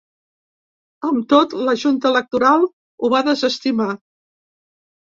Amb tot, la junta electoral ho va desestimar.